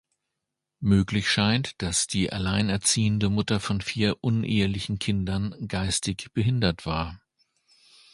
Möglich scheint, dass die alleinerziehende Mutter von vier unehelichen Kindern geistig behindert war.